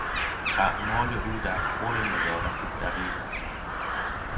اعمال او در خور نظارت دقیق است